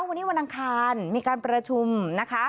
วันนี้วันอังคารมีการประชุมนะคะ